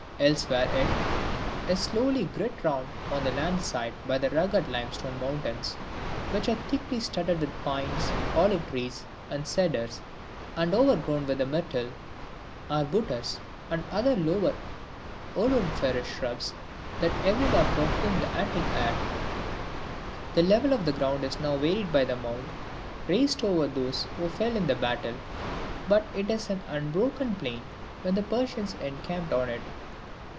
Elsewhere it, is closely girt round on the land side by rugged limestone mountains, which are thickly studded with pines, olive trees, and cedars, and overgrown with the myrtle, arbutus, and the other low odoriferous shrubs that everywhere perfume the Attic air. The level of the ground is now varied by the mound raised over those who fell in the battle, but it was an unbroken plain when the Persians encamped on it.